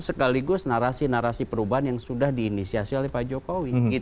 sekaligus narasi narasi perubahan yang sudah diinisiasi oleh pak jokowi